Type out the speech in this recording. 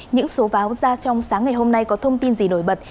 những số báo ra trong sáng ngày hôm nay có thông tin gì nổi bật